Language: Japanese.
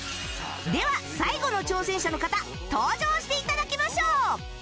では最後の挑戦者の方登場して頂きましょう！